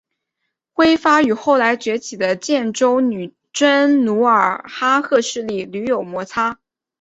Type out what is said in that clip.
辉发与后来崛起的建州女真努尔哈赤势力屡有摩擦。